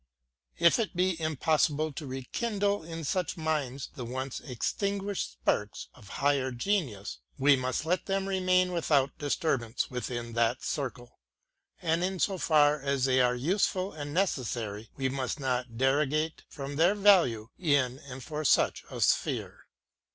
If it be impossible to re kindle in such minds the once PREFACE. 15 extinguished sparks of higher genius, we must let them remain without disturbance within that circle ; and in so far as they are there useful and necessary, we must not derogate from their value in and for such a sphere.